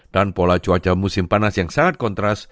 dan pola cuaca musim panas yang sangat kontroversi